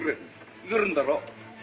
いけるんだろ？